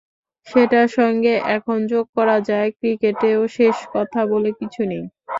সেটার সঙ্গে এখন যোগ করা যায়—ক্রিকেটেও শেষ কথা বলে কিছু নেই।